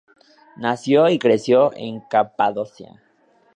Nació y creció en Capadocia.